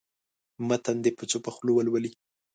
متن دې په چوپه خوله ولولي.